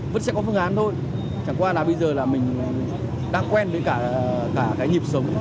vẫn sẽ có phương án thôi chẳng qua là bây giờ là mình đang quen với cả cái nhịp sống